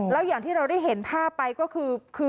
แล้วอย่างที่เราได้เห็นภาพไปก็คือ